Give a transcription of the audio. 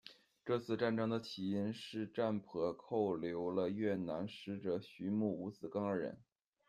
这次战争的起因是占婆扣留了越南使者徐穆、吴子庚二人。